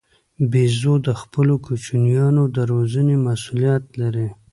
بیزو د خپلو کوچنیانو د روزنې مسوولیت لري.